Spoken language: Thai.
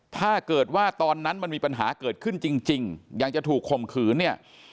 ถ้าเกิดว่าตอนนั้นมันมีปัญหาเกิดขึ้นจริงยังจะถูกข่มขืนเนี่ย